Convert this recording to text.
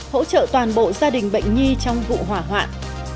hỗ trợ toàn bộ gia đình bệnh nhi trong vụ hỏa hoạn